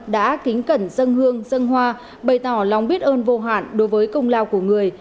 đã kính cẩn dân hương dân hoa bày tỏ lòng biết ơn vô hạn đối với công lao của người